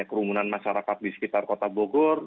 kerumunan masyarakat di sekitar kota bogor